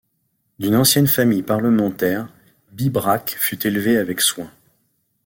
D’une ancienne famille parlementaire, Pibrac fut élevé avec soin.